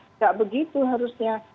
tidak begitu harusnya